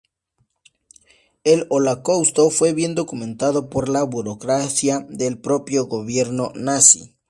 El Holocausto fue bien documentado por la burocracia del propio gobierno nazi.